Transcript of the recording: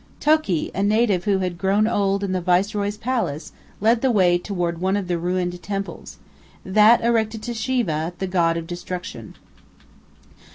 Toki, a native who had grown old in the Viceroy's palace, led the way toward one of the ruined temples that erected to Siva, the God of Destruction.